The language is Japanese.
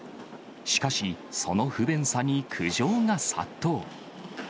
しかし、その不便さに苦情が殺到。